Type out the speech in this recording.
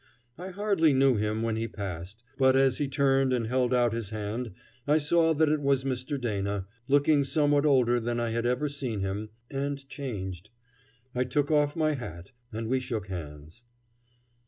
I hardly knew him when he passed, but as he turned and held out his hand I saw that it was Mr. Dana, looking somehow older than I had ever seen him, and changed. I took off my hat and we shook hands.